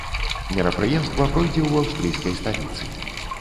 Мерапрыемства пройдзе ў аўстрыйскай сталіцы.